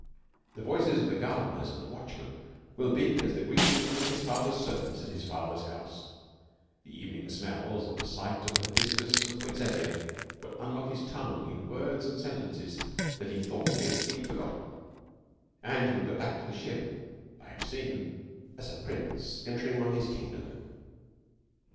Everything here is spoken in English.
The voices of the gardeners and the watchmen will be as the greetings of his father's servants in his father's house; the evening smells and the sight of the hibiscus and poinsettia will unlock his tongue in words and sentences that he thought he had clean forgotten, and he will go back to the ship (I have seen) as a prince entering on his kingdom.